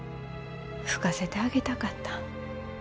吹かせてあげたかった。